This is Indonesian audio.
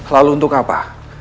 lalu untuk apa